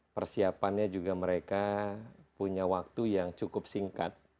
persiapannya juga mereka punya waktu yang cukup singkat